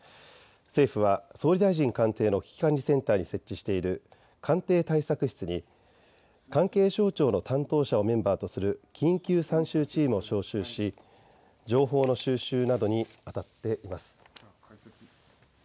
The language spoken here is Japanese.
政府は総理大臣官邸の危機管理センターに設置している官邸対策室に関係省庁の担当者をメンバーとする緊急参集チームを招集し情報の収集などにあたっています。